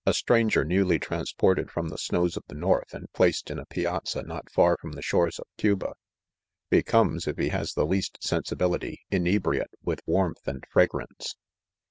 »i itraiiger newly transported from the snows of the north, and placed in a piazza not far from the shores of Cuba, "becomes, if he has' the least sensibility, inebriate with warmth and fragrance.